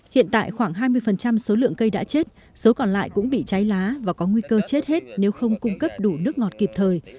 hiện tại khoảng hai mươi số lượng cây đã chết số còn lại cũng bị cháy lá và có nguy cơ chết hết nếu không cung cấp đủ nước ngọt kịp thời